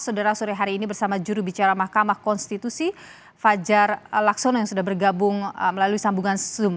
saudara sore hari ini bersama juru bicara mahkamah konstitusi fajar laksono yang sudah bergabung melalui sambungan zoom